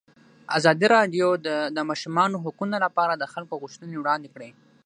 ازادي راډیو د د ماشومانو حقونه لپاره د خلکو غوښتنې وړاندې کړي.